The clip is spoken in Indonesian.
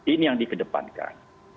ini yang dikedepankan